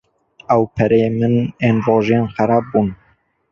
Ew pereyên min ên rojên xerab bûn.